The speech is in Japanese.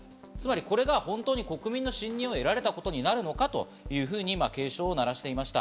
これが本当に国民の信任を得られたことになるのかというふうに警鐘を鳴らしていました。